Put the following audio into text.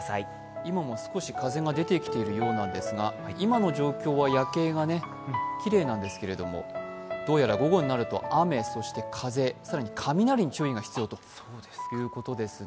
今も少し風が出てきているようなんですが、今の状況は夜景がきれいなんですけれど、どうやら午後になると雨そして風更に雷に注意が必要ということですね。